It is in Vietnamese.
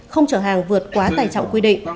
không trở hàng vượt quá tài trọng quy định